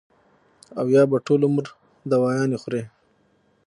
او يا به ټول عمر دوايانې خوري -